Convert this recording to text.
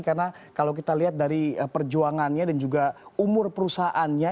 karena kalau kita lihat dari perjuangannya dan juga umur perusahaannya